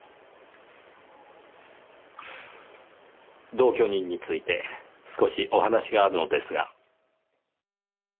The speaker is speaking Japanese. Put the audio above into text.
同居人について少しお話があるのですが。